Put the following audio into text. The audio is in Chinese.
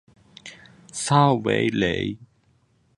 萨韦雷。